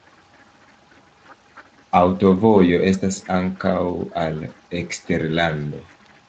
Aŭtovojo estas ankaŭ al eksterlando.